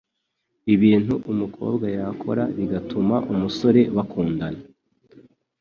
Ibintu umukobwa yakora bigatuma umusore bakundana